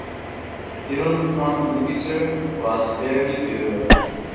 Even with one, the picture was barely viewable.